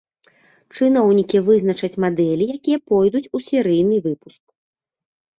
Чыноўнікі вызначаць мадэлі, якія пойдуць у серыйны выпуск.